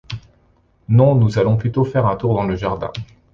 Non, nous allons plutôt faire un tour dans le jardin.